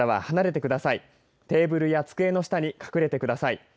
テーブルや机の下に隠れてください。